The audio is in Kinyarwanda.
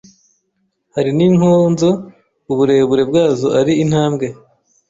Hari n inkonzo uburebure bwazo ari intambwe